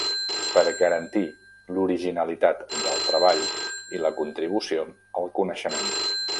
Per garantir l'originalitat del treball i la contribució al coneixement.